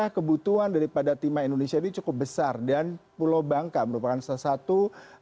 kebutuhan daripada timah indonesia ini cukup besar dan pulau bangka merupakan salah satu